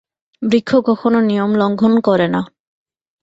বৃক্ষ কখনও নিয়ম লঙ্ঘন করে না।